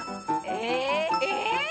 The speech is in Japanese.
ええ！